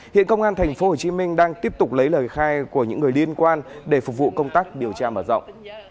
hiện công an tp hcm đang tiếp tục lấy lời khai của những người liên quan để phục vụ công tác điều tra mở rộng